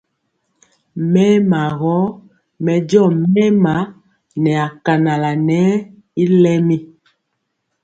Mɛɛma gɔ mɛ jɔ mɛɛma na kanala nɛɛ y lɛmi.